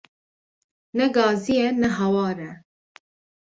Ne gazî ye ne hawar e